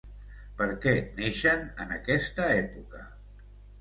Per què neixen en aquesta època?